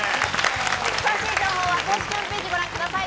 詳しい情報は公式ホームページ、ご覧ください。